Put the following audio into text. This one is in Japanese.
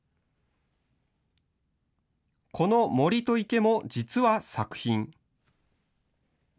この森と池も実は作品。